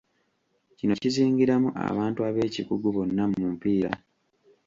Kino kizingiramu abantu ab'ekikugu bonna mu mupiira.